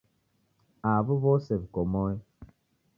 Aw'o w'ose w'iko moyo.